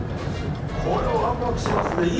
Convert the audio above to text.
これ、ワクワクしますね。